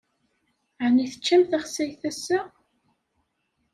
Ɛni teččam taxsayt ass-a?